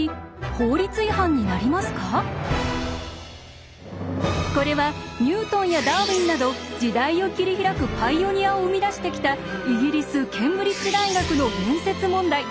こちらはこれはニュートンやダーウィンなど時代を切り開くパイオニアを生み出してきたイギリス・ケンブリッジ大学の面接問題。